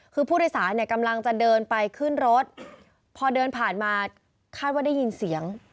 คือผู้โดยสารเนี่ยกำลังจะเดินไปขึ้นรถพอเดินผ่านมาคาดว่าได้ยินเสียง